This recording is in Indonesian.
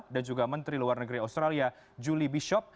dan juga menteri luar negeri australia julie bishop